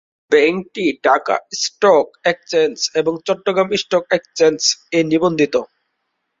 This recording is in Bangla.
ব্যাংকটি ঢাকা স্টক এক্সচেঞ্জ এবং চট্টগ্রাম স্টক এক্সচেঞ্জ -এ নিবন্ধিত।